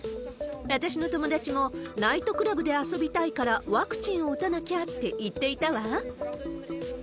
私の友達も、ナイトクラブで遊びたいからワクチンを打たなきゃって言っていたわ。